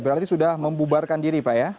berarti sudah membubarkan diri pak ya